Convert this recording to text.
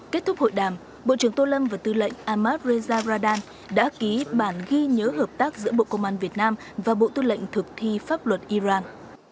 kết thúc hội đàm bộ trưởng tô lâm và tư lệnh ahmad reza radan đã ký bản ghi nhớ hợp tác giữa bộ công an việt nam và bộ tư lệnh thực thi pháp luật iran